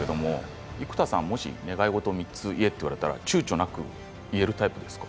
生田さん、もし願い事を３つ言えと言われたらちゅうちょなく言えるタイプ